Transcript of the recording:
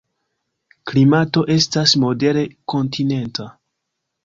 Klimato estas modere kontinenta.